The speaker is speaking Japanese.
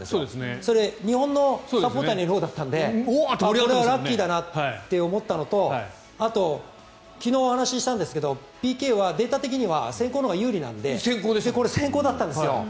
それ、日本のサポーターのいるほうだったのでこれはラッキーだなと思ったのとあと、昨日、お話ししたんですがＰＫはデータ的には先攻のほうが有利なのでこれ、先攻だったんですよ。